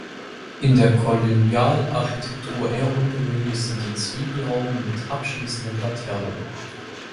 In der Kolonialarchitektur eher ungewöhnlich sind die Zwiebelhauben mit abschließenden Laternen.